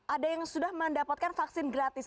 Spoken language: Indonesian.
ada yang sudah mendapatkan vaksin gratis